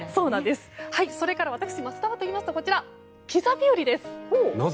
それから私、桝田はといいますとピザ日和です。